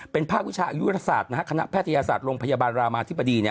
เป็นภาควิชาอายุรัฐศาสตร์คณะแพทยศาสตร์โรงพยาบาลรามาธิบดี